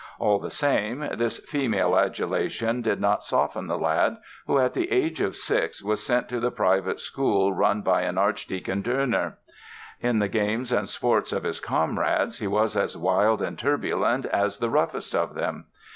All the same, this female adulation did not soften the lad who, at the age of six, was sent to the private school run by an Archdeacon Döhner. In the games and sports of his comrades he was as wild and turbulent as the roughest of them.